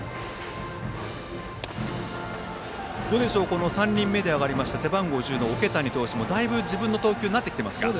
この３人目で上がった背番号１０の桶谷投手もだいぶ自分の投球になってきていますか。